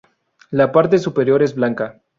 La parte superior es blanca.